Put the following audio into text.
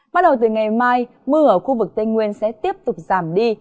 bắt đầu từ ngày mai mưa ở khu vực tây nguyên sẽ tiếp tục giảm đi